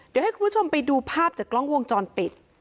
เดี๋ยวให้คุณผู้ชมไปดูภาพจากกล้องวงจรปิด